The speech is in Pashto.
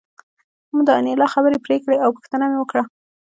ما د انیلا خبرې پرې کړې او پوښتنه مې وکړه